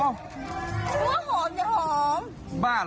กูเลยไม่คิด